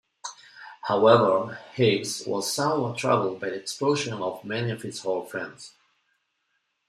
However, Higgs was somewhat troubled by the expulsion of many of his old friends.